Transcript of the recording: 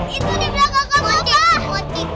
itu di belakang kamu apa